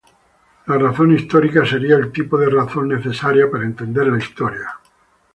La razón histórica sería el tipo de razón necesaria para entender la historia.